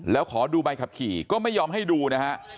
แล้วขอดูใบขับขี่ก็ไม่ยอมให้ดูนะฮะ